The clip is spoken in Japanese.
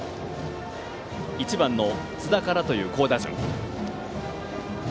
１番の津田からという好打順。